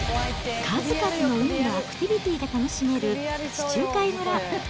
数々の海のアクティビティが楽しめる、地中海村。